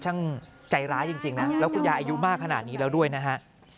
ช่างใจร้ายจริงนะแล้วคุณยายอายุมากขนาดนี้แล้วด้วยนะฮะ